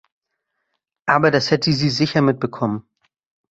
Aber das hätte sie sicher mitbekommen.